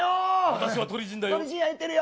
私は鳥人だよ。